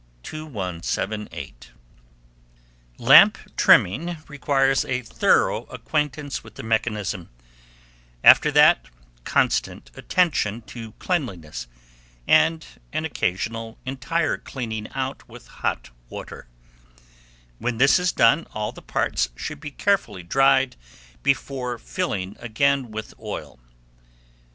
2178. Lamp trimming requires a thorough acquaintance with the mechanism; after that, constant attention to cleanliness, and an occasional entire clearing out with hot water: when this is done, all the parts should be carefully dried before filling again with oil.